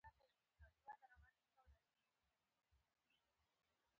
د ګټې نیمايي یعنې پنځوس سلنه یې ترلاسه کوله.